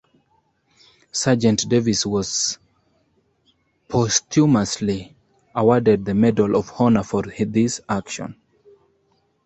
Sergeant Davis was posthumously awarded the Medal of Honor for this action.